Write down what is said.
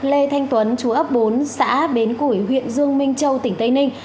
lê thanh tuấn chú ấp bốn xã bến củi huyện dương minh châu tỉnh tây ninh